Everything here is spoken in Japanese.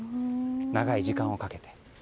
長い時間をかけて。